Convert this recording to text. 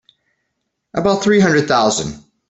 About three hundred thousand.